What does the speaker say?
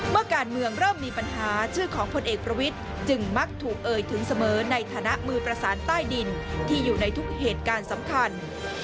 เมื่อการเมืองเริ่มมีปัญหาชื่อของพลเอกประวิทย์จึงมักถูกเอ่ยถึงเสมอในฐานะมือประสานใต้ดินที่อยู่ในทุกเหตุการณ์สำคัญ